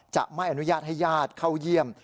จะไม่อนุญาตให้ญาติเข้าเยี่ยม